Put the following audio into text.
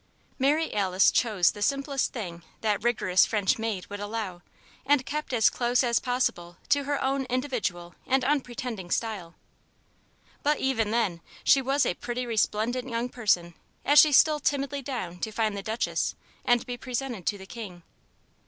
Mary Alice chose the simplest thing that rigorous French maid would allow and kept as close as possible to her own individual and unpretending style. But even then, she was a pretty resplendent young person as she stole timidly down to find the Duchess and be presented to the King.